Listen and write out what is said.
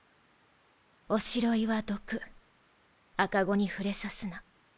「おしろいはどく赤子にふれさすな」。